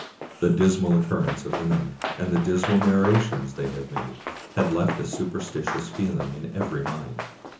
The dismal occurrence of the night, and the dismal nar rations they had made, had left a superstitious feeling in every mind.